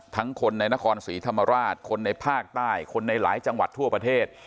คนในนครศรีธรรมราชคนในภาคใต้คนในหลายจังหวัดทั่วประเทศ